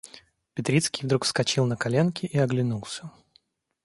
Петрицкий вдруг вскочил на коленки и оглянулся.